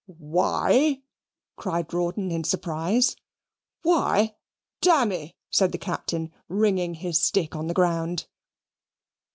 "WHY?" cried Rawdon in surprise. "Why? Dammy!" said the Captain, ringing his stick on the ground.